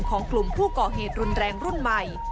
ของกลุ่มผู้ก่อเหตุรุนแรงรุ่นใหม่